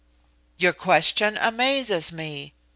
"Your question amazes me.